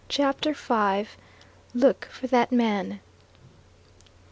CHAPTER V LOOK FOR THAT MAN!